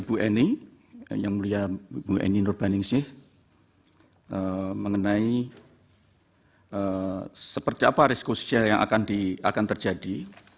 ibu eni yang mulia ibu eni nurbaningsih mengenai seperti apa risiko sosial yang akan terjadi